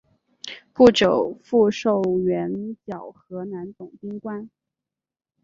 不久复授援剿河南总兵官。